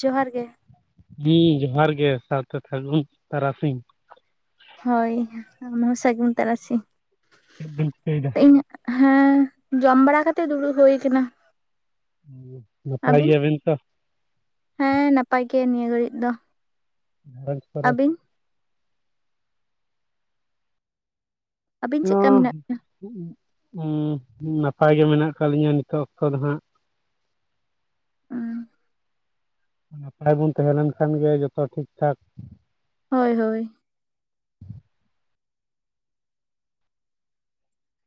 ᱡᱚᱦᱟᱨ ᱜᱮ! ᱦᱤᱸ ᱡᱚᱦᱟᱨ ᱜᱮ! ᱥᱟᱶᱛᱮ ᱥᱟᱹᱜᱩᱱ ᱛᱟᱨᱟᱥᱤᱧ᱾ ᱦᱳᱭ ᱟᱢ ᱦᱚᱸ ᱥᱟᱹᱜᱩᱱ ᱛᱟᱨᱟᱥᱤᱧ᱾ ᱪᱮᱫ ᱵᱤᱱ ᱪᱤᱠᱟᱹᱭ ᱫᱟ? ᱤᱧᱟᱜ ᱦᱮᱸ ᱡᱚᱢ ᱵᱟᱲᱟ ᱠᱟᱛᱮᱜ ᱫᱩᱲᱩᱵ ᱦᱩᱭ ᱟᱠᱟᱱᱟ᱾ ᱱᱟᱯᱟᱭ ᱜᱮᱭᱟᱵᱤᱱ ᱛᱚ? ᱦᱮᱸ ᱱᱟᱯᱟᱭ ᱜᱮ ᱱᱤᱭᱟᱹ ᱜᱷᱟᱹᱲᱤᱡ ᱫᱚ᱾ [unintelligible] ᱟᱹᱵᱤᱱ? ᱟᱹᱵᱤᱱ ᱪᱮᱫᱠᱟ ᱦᱚᱸ ᱢᱮᱱᱟᱜ ᱵᱤᱱᱟ ᱩᱸ ᱱᱟᱯᱟᱭ ᱜᱮ ᱢᱮᱱᱟᱜ ᱟᱠᱟᱫ ᱞᱤᱧᱟ ᱱᱤᱛᱚᱜ ᱚᱠᱛᱚ ᱫᱚ ᱦᱟᱸᱜ᱾ [unintelligible] ᱱᱟᱯᱟᱭ ᱵᱚᱱ ᱛᱟᱦᱮᱸ ᱞᱮᱱ ᱠᱷᱟᱱ ᱜᱮ ᱡᱚᱛᱚ ᱴᱷᱤᱠ ᱴᱷᱟᱠ ᱦᱳᱭ ᱦᱳᱭ᱾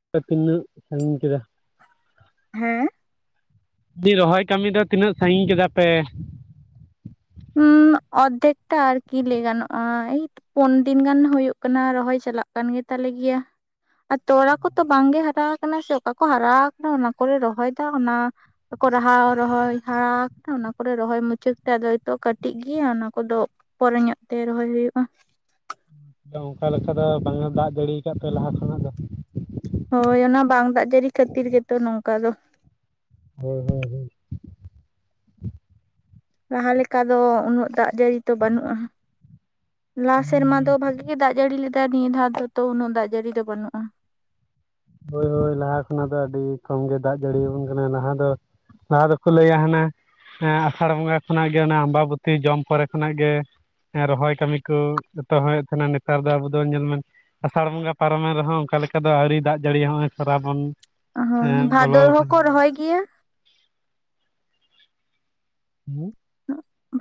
ᱯᱮ ᱛᱤᱱᱟᱹᱜ ᱥᱟᱹᱜᱤᱧ ᱠᱮᱫᱟ? ᱦᱮᱸ, ᱨᱚᱦᱚᱭ ᱠᱟᱹᱢᱤ ᱫᱚ ᱛᱤᱱᱟᱹᱜ ᱥᱟᱺᱜᱤᱧ ᱠᱮᱫᱟ ᱯᱮ? ᱦᱩᱸ ᱚᱨᱫᱷᱮᱠ ᱴᱟ ᱟᱨᱠᱤ ᱞᱟᱹᱭ ᱜᱟᱱᱚᱜᱼᱟ ᱮᱭᱤᱴ᱾ ᱯᱳᱱ ᱫᱤᱱ ᱜᱟᱱ ᱦᱳᱭᱳᱜ ᱠᱟᱱᱟ ᱨᱚᱦᱚᱭ ᱪᱟᱞᱟ ᱠᱟᱱ ᱜᱮᱛᱟᱞᱮᱜᱮᱭᱟ᱾ ᱟᱨ ᱛᱚᱲᱟ ᱠᱚᱛᱚ ᱵᱟᱝᱜᱮ ᱦᱟᱨᱟ ᱟᱠᱟᱱᱟ ᱥᱮ ᱚᱠᱟ ᱠᱚ ᱦᱟᱨᱟ ᱟᱠᱟᱱᱟ ᱚᱱᱟ ᱠᱚᱞᱮ ᱨᱚᱦᱚᱭ ᱫᱟ ᱚᱱᱟ ᱠᱚ ᱠᱚ ᱨᱟᱦᱟᱣ ᱨᱚᱦᱚᱭ ᱦᱟᱨᱟ ᱟᱠᱟᱱᱟ ᱚᱱᱟ ᱠᱚ ᱨᱚᱦᱚᱭ ᱢᱩᱪᱟᱹᱫ ᱛᱮ ᱟᱫᱚ ᱛᱚ ᱠᱟᱹᱴᱤᱡ ᱜᱮᱭᱟ ᱚᱱᱟ ᱠᱚᱫᱚ ᱯᱚᱨᱮ ᱧᱚᱜ ᱛᱮ ᱨᱚᱦᱚᱭ ᱦᱳᱭᱳᱜᱼᱟ᱾ ᱚᱱᱠᱟ ᱞᱮᱠᱟ ᱫᱚ ᱵᱟᱝᱮ ᱫᱟᱜ ᱡᱟᱹᱲᱤᱭᱟᱠᱟᱫ ᱛᱮ ᱞᱟᱦᱟ ᱠᱷᱚᱱᱟᱜ ᱫᱚ᱾ ᱦᱳᱭ ᱚᱱᱟ ᱵᱟᱝ ᱫᱟᱜ ᱡᱟᱹᱲᱤ ᱠᱷᱟᱹᱛᱤᱨ ᱜᱮᱛᱚ ᱱᱚᱝᱠᱟ ᱫᱚ᱾ ᱦᱳᱭ ᱦᱳᱭ ᱦᱳᱭ᱾ ᱞᱟᱦᱟ ᱞᱮᱠᱟ ᱫᱚ ᱩᱱᱟᱹᱜ ᱫᱟᱜ ᱡᱟᱹᱲᱤ ᱫᱚ ᱵᱟᱹᱱᱩᱜᱼᱟ, ᱞᱟᱦᱟ ᱥᱮᱨᱢᱟ ᱦᱳᱭ ᱫᱚ ᱵᱷᱟᱜᱤ ᱜᱮ ᱫᱟᱜ ᱡᱟᱹᱲᱤ ᱞᱮᱫᱟᱭ ᱱᱤᱭᱟᱹ ᱫᱷᱟᱣ ᱫᱚ ᱛᱚ ᱩᱱᱟᱹᱜ ᱫᱟᱜ ᱡᱟᱹᱲᱤ ᱫᱚ ᱵᱟᱹᱱᱩᱜ-ᱟ᱾ ᱦᱳᱭ ᱦᱳᱭ ᱞᱟᱦᱟ ᱠᱷᱚᱱᱟᱜ ᱫᱚ ᱟᱹᱰᱤ ᱠᱚᱢ ᱜᱮ ᱫᱟᱜ ᱡᱟᱹᱲᱤ ᱟᱵᱚᱱ ᱠᱟᱱᱟ ᱞᱟᱦᱟ ᱫᱚ ᱞᱟᱦᱟ ᱫᱚᱠᱚ ᱞᱟᱹᱭᱟ ᱦᱟᱱᱟ ᱦᱮᱸ ᱟᱥᱟᱲ ᱵᱚᱸᱜᱟ ᱠᱷᱚᱱᱟᱜ ᱜᱮ ᱚᱱᱮ ᱟᱢᱵᱟᱵᱚᱛᱤ ᱡᱚᱢ ᱯᱚᱨ ᱠᱷᱚᱱᱟᱜ ᱜᱮ, ᱦᱮᱸ ᱨᱚᱦᱚᱭ ᱠᱟᱹᱢᱤ ᱠᱚ, ᱡᱚᱛᱚ ᱨᱚᱦᱚᱭᱮ ᱛᱟᱦᱮᱸᱱᱟ ᱱᱮᱛᱟᱨ ᱫᱚ ᱟᱵᱚ ᱫᱚ ᱧᱮᱞ ᱢᱮ ᱟᱥᱟᱲ ᱵᱚᱸᱜᱟ ᱯᱟᱨᱚᱢᱮᱱ ᱨᱮᱦᱚᱸ ᱚᱱᱠᱟ ᱞᱮᱠᱟ ᱫᱚ ᱟᱹᱣᱨᱤ ᱫᱟᱜ ᱡᱟᱹᱲᱤ ᱦᱚᱸ ᱥᱨᱟᱵᱚᱱ ᱦᱳᱭ ᱦᱮᱸ ᱵᱚᱞᱚ ᱵᱷᱟᱫᱚᱨ ᱟᱠᱟᱱ ᱦᱚᱸᱠᱚ ᱨᱚᱦᱚᱭ ᱜᱮᱭᱟ᱾ ᱦᱩᱸ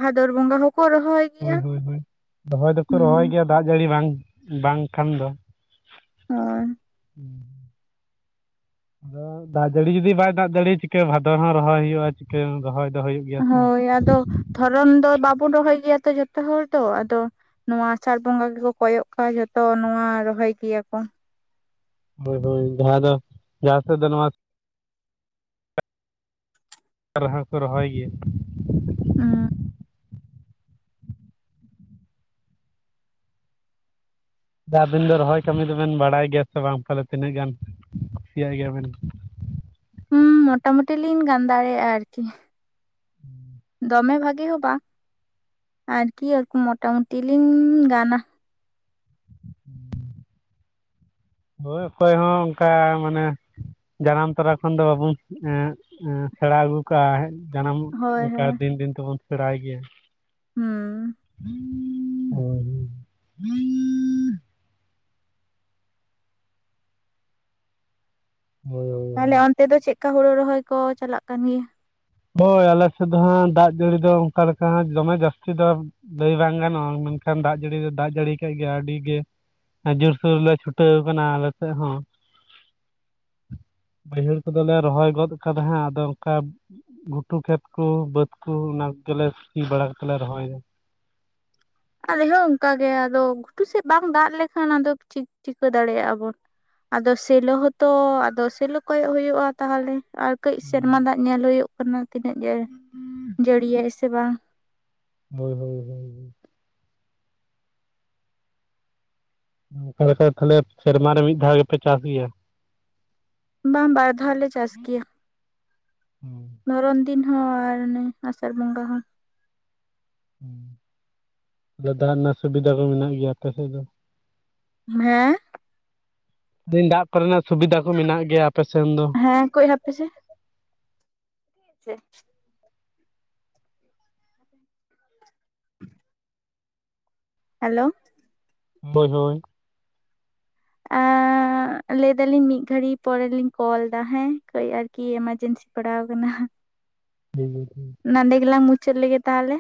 ᱵᱷᱟᱫᱚᱨ ᱵᱚᱸᱜᱟ ᱦᱚᱸᱠᱚ ᱨᱚᱦᱚᱭ ᱦᱳᱭ ᱜᱮᱭᱟ ᱦᱳᱭ ᱦᱳᱭ, ᱨᱚᱦᱚᱭ ᱫᱚᱠᱚ ᱨᱚᱦᱚᱭ ᱦᱩᱸ ᱜᱮᱭᱟ ᱫᱟᱜ ᱡᱟᱹᱲᱤ ᱵᱟᱝ ᱵᱟᱝᱠᱷᱟᱱ ᱫᱚ᱾ ᱦᱳᱭ᱾ ᱟᱫᱚ ᱫᱟᱜ ᱡᱟᱹᱲᱤ ᱡᱩᱫᱤ ᱵᱟᱭ ᱫᱟᱜ ᱫᱟᱲᱮ ᱪᱤᱠᱟᱹ ᱵᱷᱟᱫᱚᱨ ᱦᱚᱸ ᱨᱚᱦᱚᱭ ᱦᱩᱭᱩᱜᱼᱟ, ᱪᱤᱠᱟᱹ ᱨᱚᱦᱚᱭ ᱫᱚ ᱦᱩᱭᱩᱜ ᱜᱮᱭᱟ ᱥᱮ ᱦᱳᱭ ᱟᱫᱚ ᱫᱷᱚᱨᱚᱱ ᱫᱚ ᱵᱟᱵᱚᱱ ᱨᱚᱦᱚᱭ ᱜᱮᱭᱟ ᱛᱚ ᱡᱚᱛᱚ ᱦᱚᱲ ᱫᱚ ᱟᱫᱚ ᱱᱚᱣᱟ ᱟᱥᱟᱲ ᱵᱚᱸᱜᱟ ᱜᱮᱠᱚ ᱠᱚᱭᱚᱜ ᱠᱟᱜ ᱡᱚᱛᱚ ᱱᱚᱶᱟ ᱨᱚᱦᱚᱭ ᱜᱮᱭᱟ ᱠᱚ, ᱦᱳᱭ ᱦᱳᱭ ᱡᱟᱦᱟᱸ ᱫᱚ ᱡᱟᱦᱟᱸ ᱥᱮᱫ ᱫᱚ ᱱᱟᱣᱟ ᱟᱨ ᱦᱚᱸ ᱠᱚ ᱨᱚᱦᱚᱭ ᱜᱮᱭᱟ᱾ ᱟᱵᱤᱱ ᱫᱚ ᱨᱚᱦᱚᱭ ᱠᱟᱹᱢᱤ ᱫᱚᱵᱮᱱ ᱵᱟᱲᱟᱭ ᱜᱮᱭᱟ ᱥᱮ ᱵᱟᱝ? ᱛᱟᱦᱚᱞᱮ ᱛᱤᱱᱟᱹᱜ ᱜᱟᱱ ᱠᱩᱥᱤᱭᱟᱜ ᱜᱮᱭᱟᱵᱮᱱ? ᱦᱩᱸ ᱢᱚᱴᱟ ᱢᱩᱴᱤ ᱞᱤᱧ ᱜᱟᱱ ᱫᱟᱲᱮᱭᱟᱜᱼᱟ ᱟᱨᱠᱤ᱾ ᱫᱚᱢᱮ ᱵᱷᱟᱜᱤ ᱦᱚᱸ ᱵᱟ᱾ ᱟᱨᱠᱤ ᱤᱭᱟᱹ ᱢᱚᱴᱟ-ᱢᱩᱴᱤ ᱞᱤᱧ ᱜᱟᱱᱟ᱾ ᱦᱳᱭ ᱚᱠᱚᱭ ᱦᱚᱸ ᱚᱱᱠᱟ ᱢᱟᱱᱮ ᱡᱟᱱᱟᱢ ᱛᱚᱨᱟ ᱠᱷᱚᱱ ᱫᱚ ᱵᱟᱵᱩᱱ ᱮᱸ ᱥᱮᱬᱟ ᱟᱹᱜᱩ ᱠᱟᱜᱼᱟ, ᱡᱟᱱᱟᱢ ᱦᱳᱭ ᱚᱱᱠᱟ ᱦᱳᱭ ᱫᱤᱱ ᱫᱤᱱ ᱛᱮᱵᱚᱱ ᱥᱮᱬᱟᱭ ᱜᱮᱭᱟ᱾ ᱦᱩᱸ ᱦᱳᱭ᱾ ᱦᱳᱭᱳ᱾ ᱛᱟᱦᱚᱞᱮ ᱚᱱᱛᱮ ᱫᱚ ᱪᱮᱫᱠᱟ ᱦᱩᱲᱩ ᱨᱚᱦᱚᱭ ᱠᱚ ᱪᱟᱞᱟᱜ ᱠᱟᱱ ᱜᱮᱭᱟ? ᱦᱳᱭ ᱟᱞᱮ ᱥᱮᱫ ᱫᱚ ᱦᱟᱸᱜ ᱫᱟᱜ ᱡᱟᱹᱲᱤ ᱫᱚ ᱚᱱᱠᱟ ᱞᱮᱠᱟ ᱦᱟᱸᱜ ᱫᱚᱢᱮ ᱡᱟᱹᱥᱛᱤ ᱫᱚ ᱞᱟᱹᱭ ᱵᱟᱝ ᱜᱟᱱᱚᱜᱼᱟ ᱢᱮᱱᱠᱷᱟᱱ ᱫᱟᱜ ᱡᱟᱹᱲᱤ ᱫᱚ ᱫᱟᱜ ᱡᱟᱹᱲᱤ ᱠᱮᱫ ᱜᱮᱭᱟᱭ ᱟᱹᱰᱤ ᱜᱮ ᱡᱳᱨ-ᱥᱳᱨ ᱞᱮ ᱪᱷᱩᱴᱟᱹᱣ ᱠᱟᱱᱟ ᱟᱞᱮ ᱥᱮᱫ ᱦᱚᱸ᱾ ᱵᱟᱹᱭᱦᱟᱹᱲ ᱠᱚᱫᱚᱞᱮ ᱨᱚᱦᱚᱭ ᱜᱚᱫ ᱠᱟᱫᱟ ᱦᱟᱸᱜ ᱟᱫᱚ ᱚᱱᱠᱟ ᱜᱷᱩᱴᱩ ᱠᱷᱮᱛ ᱠᱚ ᱵᱟᱹᱫᱽ ᱠᱚ ᱚᱱᱟ ᱠᱚᱜᱮᱞᱮ ᱥᱤ ᱵᱟᱲᱟ ᱠᱟᱛᱮ ᱞᱮ ᱨᱚᱦᱚᱭᱫᱟ᱾ ᱟᱞᱮ ᱦᱚᱸ ᱚᱱᱠᱟ ᱜᱮ ᱟᱫᱚ ᱜᱷᱩᱴᱩ ᱥᱮᱫ ᱵᱟᱝ ᱫᱟᱜ ᱞᱮᱠᱷᱟᱱ ᱟᱫᱚ ᱪᱤᱠ- ᱪᱤᱠᱟᱹ ᱫᱟᱲᱮᱭᱟᱜᱼᱟ ᱵᱚᱱ? ᱟᱫᱚ ᱥᱮᱞᱳ ᱦᱚᱸᱛᱚ ᱟᱫᱚ ᱥᱮᱞᱳ ᱠᱚᱭᱚᱜ ᱦᱚᱭᱳᱜ-ᱟ᱾ ᱛᱟᱦᱚᱞᱮ ᱟᱨ ᱠᱟᱹᱡ ᱥᱮᱨᱢᱟ ᱫᱟᱜ ᱧᱮᱞ ᱦᱩᱭᱩᱜ ᱠᱟᱱᱟ ᱛᱤᱱᱟᱹᱜ ᱡᱮ ᱡᱟᱹᱲᱤᱭᱟᱭ ᱥᱮ ᱵᱟᱝ᱾ ᱦᱳᱭ ᱦᱳᱭ ᱦᱳᱭ᱾ ᱚᱱᱠᱟ ᱞᱮᱠᱟ ᱛᱟᱦᱞᱮ ᱥᱮᱨᱢᱟ ᱨᱮ ᱢᱤᱫ ᱫᱷᱟᱣ ᱜᱮᱯᱮ ᱪᱟᱥ ᱜᱮᱭᱟ? ᱵᱟᱝ ᱵᱟᱨ ᱫᱷᱟᱣ ᱞᱮ ᱪᱟᱥ ᱜᱮᱭᱟ᱾ ᱦᱩᱸ᱾ ᱫᱷᱚᱨᱚᱱ ᱫᱤᱱ ᱦᱚᱸ ᱟᱨ ᱚᱱᱮ ᱟᱥᱟᱲ ᱵᱚᱸᱜᱟ ᱦᱚᱸ᱾ ᱦᱩᱸ, ᱡᱳᱨ ᱫᱷᱟᱨᱟ ᱨᱮᱱᱟᱜ ᱥᱩᱵᱤᱫᱷᱟ ᱠᱚ ᱢᱮᱱᱟᱜ ᱜᱮᱭᱟ ᱟᱯᱮ ᱥᱮᱫ ᱫᱚ? ᱦᱮᱸ? ᱞᱮᱫᱤᱧ ᱫᱟᱜ ᱠᱚᱨᱮᱱᱟᱜ ᱥᱩᱵᱤᱫᱷᱟ ᱠᱚ ᱢᱮᱱᱟᱜ ᱜᱮᱭᱟ ᱟᱯᱮ ᱥᱮᱱ ᱫᱚ? ᱦᱮᱸ ᱠᱟᱹᱡ ᱦᱟᱯᱮ ᱥᱮ᱾ ᱪᱮᱫ? ᱦᱮᱞᱳ᱾ ᱦᱳᱭ ᱦᱳᱭ᱾ ᱮᱸᱻ ᱮᱸᱜ ᱞᱟᱹᱭ ᱫᱟᱞᱤᱧ ᱢᱤᱫ ᱜᱷᱟᱹᱲᱤᱡ ᱯᱚᱨᱮᱞᱤᱧ ᱠᱚᱞ ᱫᱟ ᱦᱮᱸ ᱠᱟᱹᱡ ᱟᱨᱠᱤ ᱮᱢᱟᱨᱡᱮᱱᱥᱤ ᱯᱟᱲᱟᱣ ᱠᱟᱱᱟ᱾ ᱴᱷᱤᱠ ᱜᱮᱭᱟ ᱛᱚᱵᱮ᱾ ᱱᱟᱰᱮᱸ ᱜᱮᱞᱟᱝ ᱢᱩᱪᱟᱹᱫ ᱞᱮᱜᱮ ᱛᱟᱦᱚᱞᱮ᱾